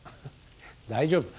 大丈夫。